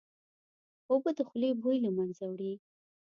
اوبه د خولې بوی له منځه وړي